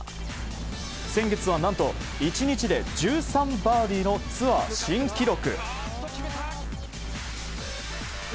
先月は何と１日で１３バーディーのツアー新記録。